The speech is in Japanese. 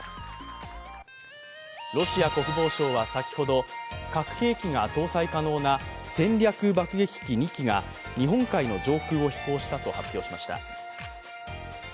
ロシア国防省は先ほど、核兵器が搭載可能な戦略爆撃機２機が日本海の上空を飛行したと発表しました。